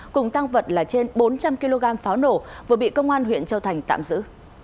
cùng tăng vật là trên bốn trăm linh kg pháo nổ vừa bị công an huyện châu thành tạm giữ